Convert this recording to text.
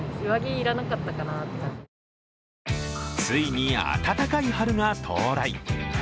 ついに暖かい春が到来。